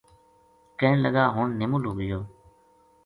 کہن لگا ہن نِمل ہو گیو